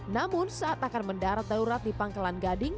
namun saat akan mendarat daurat di pangkalan gading